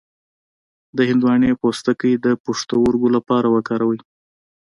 د هندواڼې پوستکی د پښتورګو لپاره وکاروئ